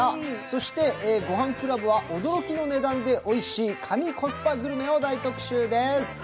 そして、「ごはんクラブ」は驚きの値段でおいしい神コスパグルメを大特集です。